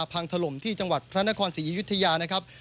ถล่มที่จังหวัดพระนครศรีอยุธยานะครับ